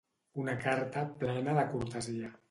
Una carta plena de cortesia.